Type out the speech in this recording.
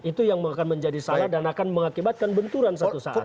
itu yang akan menjadi salah dan akan mengakibatkan benturan satu saat